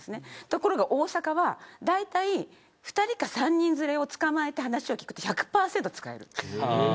ところが大阪は、だいたい２人か３人連れをつかまえて話を聞くと１００％使える。